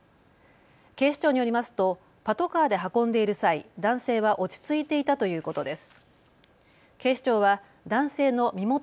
警視庁によりますとパトカーで運んでいる際、男性は落ち着いていたということです。